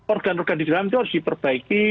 organ organ di dalam itu harus diperbaiki